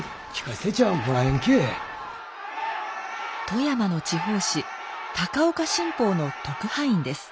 富山の地方紙「高岡新報」の特派員です。